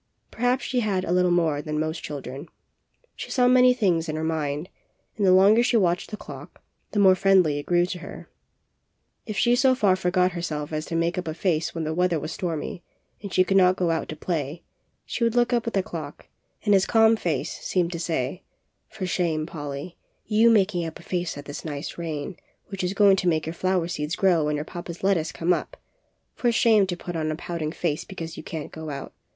Perhaps she had a little more than most children. She saw many things in her mind; and the longer she watched the clock, the more friendly it grew to her. If she so far 60 POLLY'S CLOCK. forgot herself as to make up a face when the weather was stormy and she could not go out to play, she would look up at the clock, and his calm face seemed to say: ^Tor shame, Polly, you making up a face at this nice rain, which is going to make your flower seeds grow and your papa's lettuce come up! For shame to put on a pouting face because you can't go out!